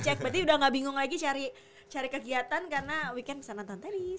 cek berarti udah gak bingung lagi cari kegiatan karena weekend bisa nonton tenis